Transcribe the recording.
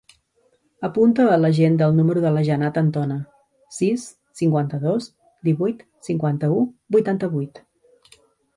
Apunta a l'agenda el número de la Jannat Antona: sis, cinquanta-dos, divuit, cinquanta-u, vuitanta-vuit.